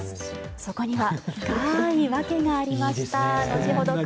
そこには深い訳がありました。